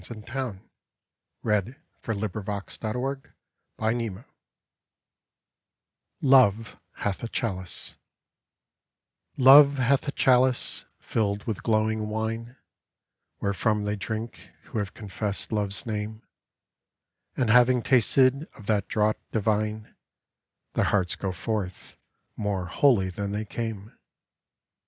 . I never dreamed such eyes could be 1 LOVE HATH A CHALICE LOVE hath a chalice, filled with glowing wine, Wherefrom they drink who have confessed Love's name; And having tasted of that draught divine, Their hearts go forth, more holy than they came.